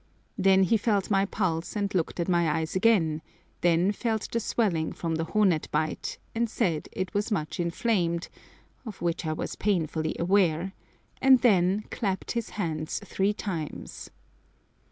Then he felt my pulse and looked at my eyes again, then felt the swelling from the hornet bite, and said it was much inflamed, of which I was painfully aware, and then clapped his hands three times.